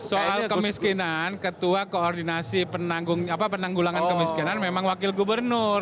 soal kemiskinan ketua koordinasi penanggulangan kemiskinan memang wakil gubernur